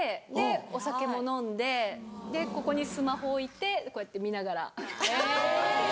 お酒も飲んでここにスマホ置いてこうやって見ながら。